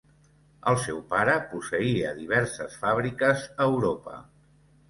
El seu pare posseïa diverses fàbriques a Europa.